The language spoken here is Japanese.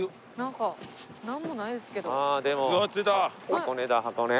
箱根だ箱根。